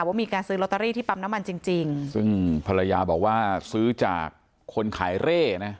ว่ามีการซื้อลอตเตอรี่ที่ปั๊มน้ำมันจริงจริงซึ่งภรรยาบอกว่าซื้อจากคนขายเร่นะ